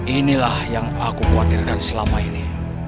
inilah yang aku khawatirkan selama ini